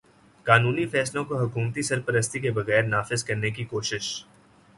قانونی فیصلوں کو حکومتی سرپرستی کے بغیر نافذ کرنے کی کوشش